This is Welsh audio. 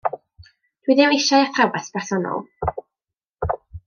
Dw i ddim eisiau athrawes bersonol.